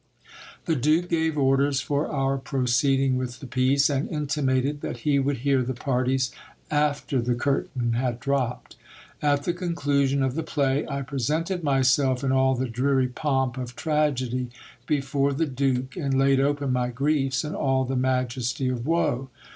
The duke gave orders for our proceeding with the piece, and intimated that he would hear the parties after the curtain had dropped. At the conclu sion of the play I presented myself in all the dreary pomp of tragedy before the duke, and laid open my griefs in all the majesty of woe.